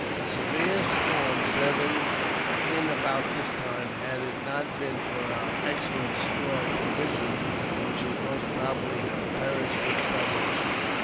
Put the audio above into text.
A severe storm setting in about this time, had it not been for our excellent store of provisions we should most probably have perished of starvation.